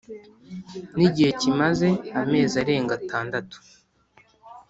n igihe kimaze amezi arenga atandatu